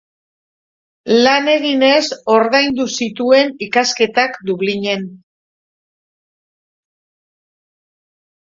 Lan eginez ordaindu zituen ikasketak Dublinen.